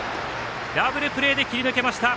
ダブルプレーで切り抜けました！